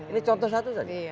ini contoh satu saja